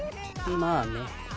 まあね。